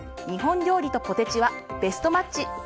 日本料理とポテチはベストマッチ。